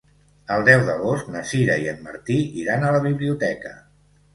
El deu d'agost na Sira i en Martí iran a la biblioteca.